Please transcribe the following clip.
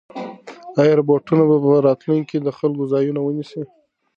ایا روبوټونه به په راتلونکي کې د خلکو ځای ونیسي؟